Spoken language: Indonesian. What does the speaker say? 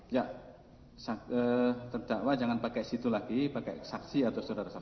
ya terdakwa jangan pakai situ lagi pakai saksi atau saudara saksi